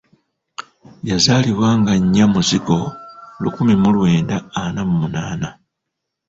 Yazaalibwa nga nnya Muzigo lukumi mu lwenda ana mu munnaana.